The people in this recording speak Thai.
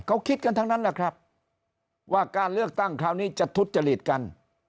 เขาคิดกันทั้งนั้นแหละครับว่าการเลือกตั้งคราวนี้จะทุจริตกัน